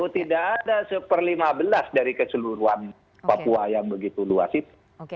tidak ada satu per lima belas dari keseluruhan papua yang begitu luas itu